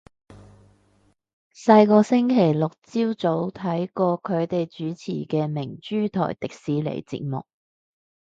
細個星期六朝早睇過佢哋主持嘅明珠台迪士尼節目